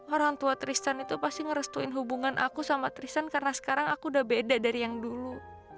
orang tua tristan itu pasti ngerestuin hubungan aku sama trison karena sekarang aku udah beda dari yang dulu